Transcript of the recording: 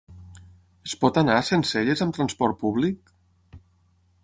Es pot anar a Sencelles amb transport públic?